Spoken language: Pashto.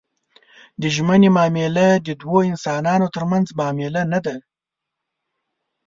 د ژمنې معامله د دوو انسانانو ترمنځ معامله نه ده.